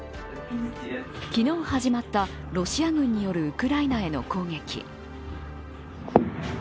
昨日始まったロシア軍によるウクライナへの攻撃。